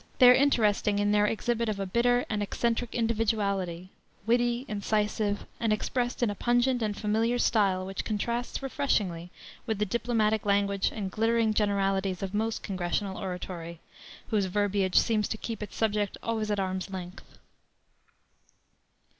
They are interesting in their exhibit of a bitter and eccentric individuality, witty, incisive, and expressed in a pungent and familiar style which contrasts refreshingly with the diplomatic language and glittering generalities of most congressional oratory, whose verbiage seems to keep its subject always at arm's length.